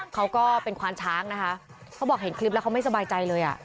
เขาก็เป็นควานช้างนะคะเขาบอกเห็นคลิปแล้วเขาไม่สบายใจเลยอ่ะ